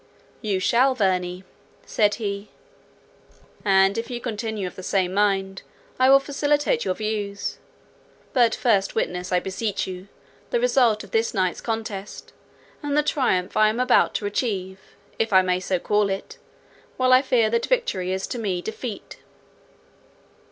"You shall, Verney," said he, "and if you continue of the same mind, I will facilitate your views. But first witness, I beseech you, the result of this night's contest, and the triumph I am about to achieve, if I may so call it, while I fear that victory is to me defeat.